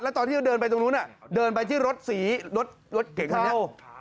ตอนที่เขาเดินไปตรงนู้นเดินไปที่รถสีรถรถเก่งคันนี้